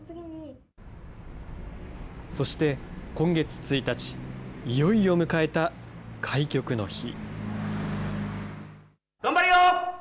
そして今月１日、いよいよ迎えた開局の日。